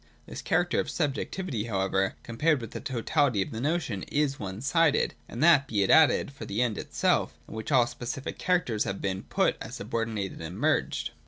This character of subjectivity, however, compared with the totality of the notion, is one sided, and that, be it added, for the End itself, in which all specific characters have been put as subordinated and merged.